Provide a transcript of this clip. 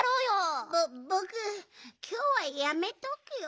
ぼぼくきょうはやめとくよ。